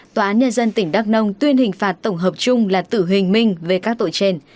tòa án nhân dân tỉnh đắk nông tuyên hình phạt tổng hợp chung là tử hình minh về các tội trên